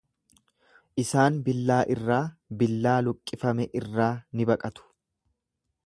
Isaan billaa irraa, billaa luqqifame irraa ni baqatu.